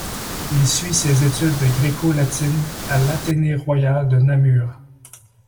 Il suit ses études de gréco-latine à l'Athénée royal de Namur.